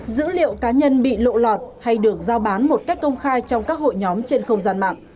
dữ liệu cá nhân bị lộ lọt hay được giao bán một cách công khai trong các hội nhóm trên không gian mạng